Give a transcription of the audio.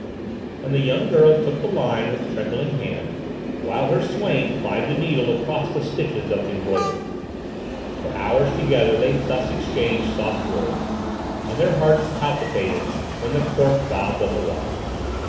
And the young girl took the line with trembling hand, while her swain plied the needle across the stitches of the embroidery. For hours together they thus exchanged soft words, and their hearts palpitated when the cork bobbed on the water.